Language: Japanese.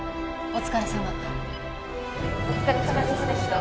お疲れさまでした。